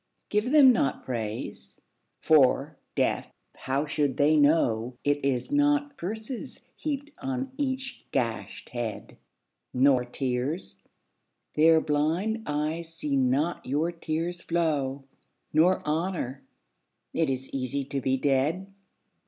Give them not praise. For, deaf, how should they know It is not curses heaped on each gashed head ? Nor tears. Their blind eyes see not your tears flow. Nor honour. It is easy to be dead.